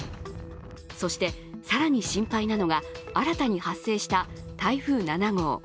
そして更に心配なのが新たに発生した台風７号。